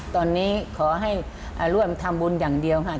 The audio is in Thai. ตอนนี้ขอให้ร่วมทำบุญอย่างเดียวค่ะ